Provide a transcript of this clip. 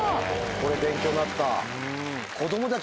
これ勉強になった。